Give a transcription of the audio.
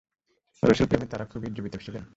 রাসূল-প্রেমে তারা খুবই উজ্জীবিত ছিলেন।